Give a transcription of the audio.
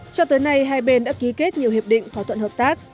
cho tới nay hai bên đã ký kết nhiều hiệp định thỏa thuận hợp tác